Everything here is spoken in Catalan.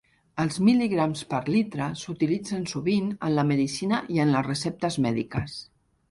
Els mil·ligrams per litre s'utilitzen sovint en la medicina i en les receptes mèdiques.